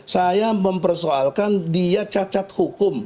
saya mempersoalkan dia cacat hukum